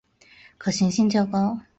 可行性较高